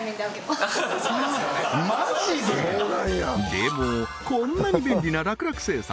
でもこんなに便利な楽楽精算